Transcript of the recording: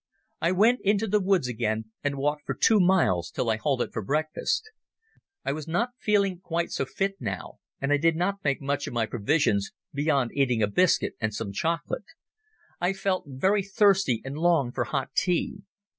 I went into the woods again and walked for two miles till I halted for breakfast. I was not feeling quite so fit now, and I did not make much of my provisions, beyond eating a biscuit and some chocolate. I felt very thirsty and longed for hot tea.